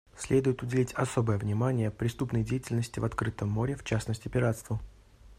Следует уделить особое внимание преступной деятельности в открытом море, в частности пиратству.